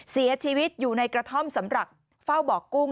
เสียชีวิตอยู่ในกระท่อมสำหรับเฝ้าบ่อกุ้ง